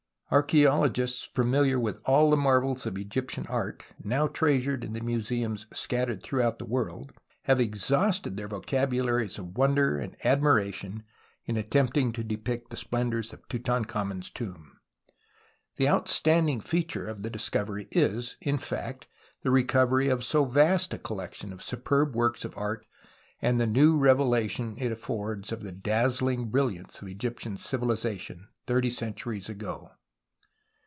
Arch<uologists familiar with all the marvels of Egyptian art, now treasured in the museums scattered throughout the world, have exhausted their vocabularies of wonder and admiration in attempting to depict the splendours of Tutan 100 GETTING TO HEAVEN 101 khamen's tomb. The outstanding feature of the discovery is, in fact, the recovery of so vast a collection of superb works of art and the new revelation it affords of the dazz ling brilliance of Egyptian civilization thirty centuries ago.